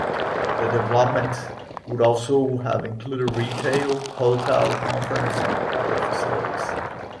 The development would also have included retail, hotel, conference and other facilities.